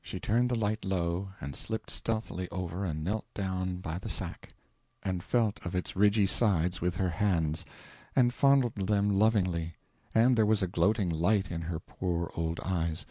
She turned the light low, and slipped stealthily over and knelt down by the sack and felt of its ridgy sides with her hands, and fondled them lovingly; and there was a gloating light in her poor old eyes.